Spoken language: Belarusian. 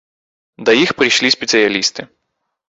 Да іх прыйшлі спецыялісты.